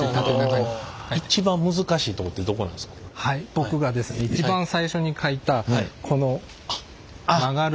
僕がですね一番最初にかいたこの「ま」の？